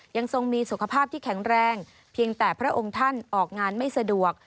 ทรงมีสุขภาพที่แข็งแรงเพียงแต่พระองค์ท่านออกงานไม่สะดวก